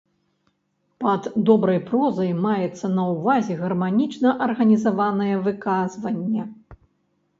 Пад добрай прозай маецца на ўвазе гарманічна арганізаванае выказванне.